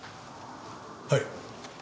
はい。